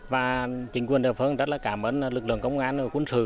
và chính quyền địa phương rất là cảm ơn lực lượng công an quân sự